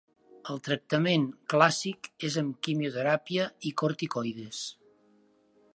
El tractament clàssic és amb quimioteràpia i corticoides.